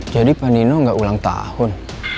jadi pak nino gak ulang tahun